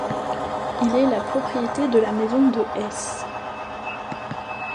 Il est la propriété de la maison de Hesse.